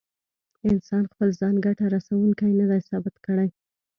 انسان خپل ځان ګټه رسوونکی نه دی ثابت کړی.